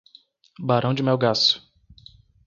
Barão de Melgaço